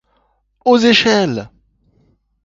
Aux échelles!